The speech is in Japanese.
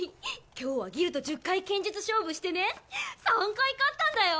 今日はギルと１０回剣術勝負してね３回勝ったんだよ。